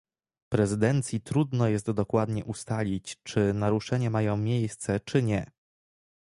Prezydencji trudno jest dokładnie ustalić, czy naruszenia mają miejsce, czy nie